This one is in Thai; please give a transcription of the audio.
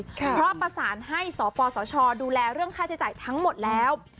เพราะประสานให้สปสชดูแลเรื่องค่าใช้จ่ายทั้งหมดแล้ว